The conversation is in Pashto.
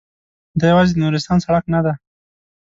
دا یوازې د نورستان سړک نه دی.